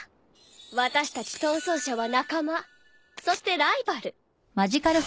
私たち逃走者は仲間そしてライバル。